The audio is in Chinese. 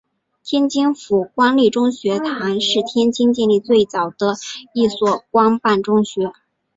天津府官立中学堂是天津建立最早的一所官办中学。